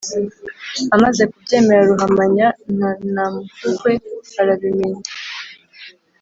amaze kubyemera ruhamanya na ntamhuhwe barabimenya.,